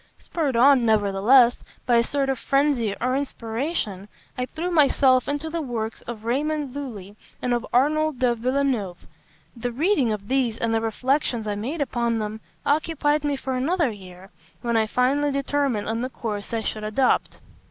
Spurred on, nevertheless, by a sort of frenzy or inspiration, I threw myself into the works of Raymond Lulli and of Arnold de Villeneuve. The reading of these, and the reflections I made upon them, occupied me for another year, when I finally determined on the course I should adopt.